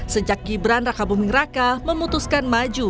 sejak gibran raka buming raka memutuskan maju